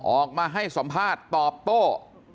ออกมาให้สัมภาษณ์ตอบโต้